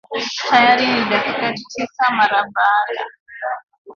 tayari ni dakika tisa mara baada